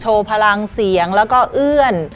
พลังเสียงแล้วก็เอื้อน